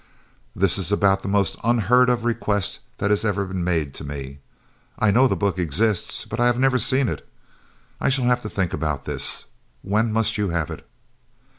"This is about the most unheard of request that has ever been made to me. I know the book exists, but I have never seen it I shall have to think about this. When must you have it?"